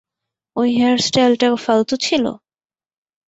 ঐ হেয়ারস্টাইলটা ফালতু ছিল?